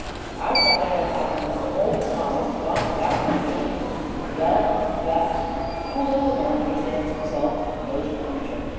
I'd rather have had one of her old smiles and gone without my dinner. Well, well; how little a man understands himself or knows the future!